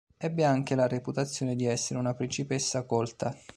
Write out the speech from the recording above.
Ebbe anche la reputazione di essere una principessa colta.